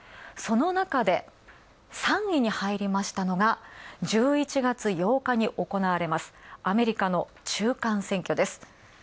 そのなかで、３位に入りましたのが１１月８日におこなわれます、アメリカの中間選挙です。